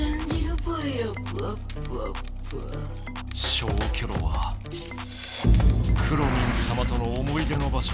消去炉はくろミンさまとの思い出の場しょ。